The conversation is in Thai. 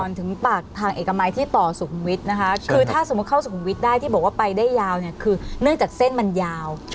ถึงปากทางเอกมัยที่ต่อสุขุมวิทย์นะคะคือถ้าสมมุติเข้าสุขุมวิทย์ได้ที่บอกว่าไปได้ยาวเนี่ยคือเนื่องจากเส้นมันยาว